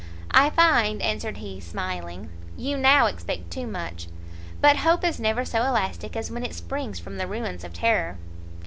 "I find," answered he, smiling, "you now expect too much; but hope is never so elastic as when it springs from the ruins of terror."